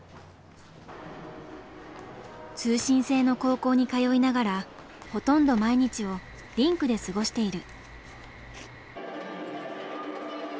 通信制の高校に通いながらほとんど毎日をリンクで過ごしている。